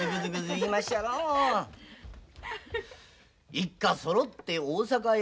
一家そろって大阪へ。